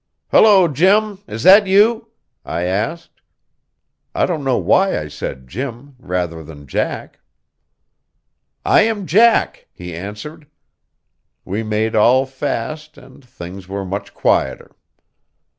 "Hullo, Jim! Is that you?" I asked. I don't know why I said Jim, rather than Jack. "I am Jack," he answered. We made all fast, and things were much quieter.